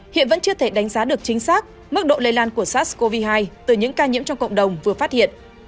hiện vẫn chưa thể đánh giá được chính xác mức độ lây lan của sars cov hai từ những ca nhiễm trong cộng đồng vừa phát hiện